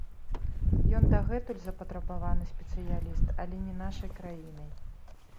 Ён дагэтуль запатрабаваны спецыяліст, але не нашай краінай.